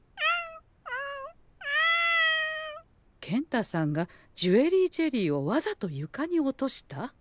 健太さんがジュエリージェリーをわざとゆかに落とした？